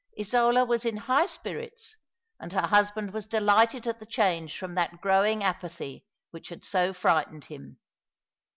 Isola was in high spirits, and her husband was delighted at the change from that growing apathy which had so frightened him.